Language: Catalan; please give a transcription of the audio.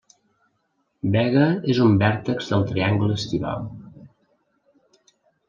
Vega és un vèrtex del Triangle Estival.